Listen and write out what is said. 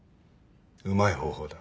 うまい方法だ。